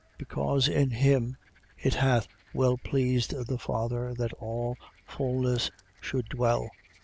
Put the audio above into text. Because in him, it hath well pleased the Father that all fulness should dwell: 1:20.